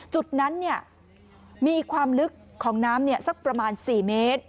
จุดนั้นมีความลึกของน้ำสักประมาณ๔เมตร